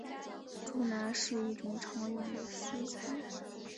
猪腩是一种常用的食材。